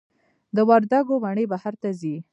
د وردګو مڼې بهر ته ځي؟